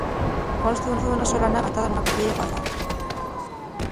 Consta d'una sola nave rematada nuna capiella cuadrada.